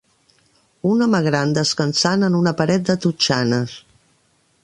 Un home gran descansant en una paret de totxanes.